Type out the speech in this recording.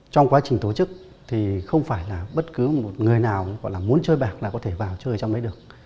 trong quá trình tổ chức thì không phải là bất cứ một người nào muốn chơi bạc là có thể vào chơi trong đấy được